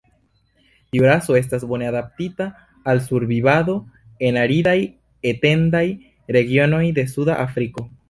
Tiu raso estas bone adaptita al survivado en aridaj etendaj regionoj de Suda Afriko.